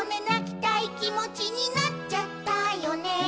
「なきたいきもちになっちゃったよね」